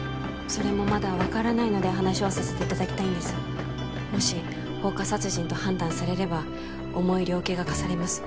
それもまだ分からないので話をさせていただきたいんですもし放火殺人と判断されれば重い量刑が科されます